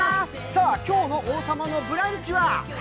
今日の「王様のブランチ」は？